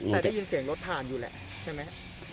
แต่ได้ยินเสียงรถผ่านอยู่แหละใช่ไหม